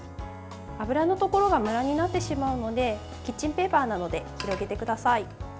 油のところはムラになってしまうのでキッチンペーパーなどで広げてください。